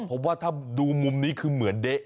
ผมว่าถ้าดูมุมนี้คือเหมือนเด๊ะ